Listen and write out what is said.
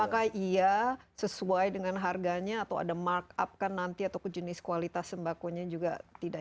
apakah ia sesuai dengan harganya atau ada mark up kan nanti atau jenis kualitas sembakonya juga tidak